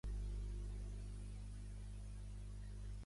Els mesos d'hivern s